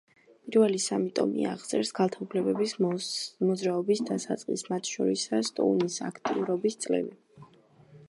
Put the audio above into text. პირველი სამი ტომი აღწერს ქალთა უფლებების მოძრაობის დასაწყისს, მათ შორისაა სტოუნის აქტიურობის წლები.